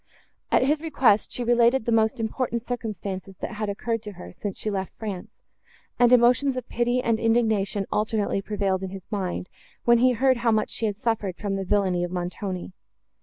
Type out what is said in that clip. At his request, she related the most important circumstances, that had occurred to her, since she left France, and emotions of pity and indignation alternately prevailed in his mind, when he heard how much she had suffered from the villany of Montoni.